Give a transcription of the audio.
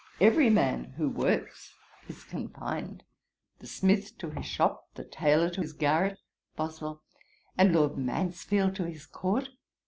Every man who works is confined: the smith to his shop, the tailor to his garret.' BOSWELL. 'And Lord Mansfield to his Court.'